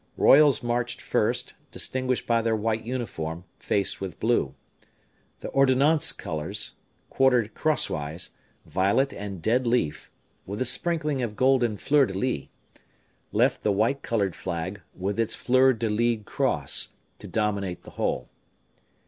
Royals marched first, distinguished by their white uniform, faced with blue. The ordonnance colors, quartered cross wise, violet and dead leaf, with a sprinkling of golden fleurs de lis, left the white colored flag, with its fleur de lised cross, to dominate the whole.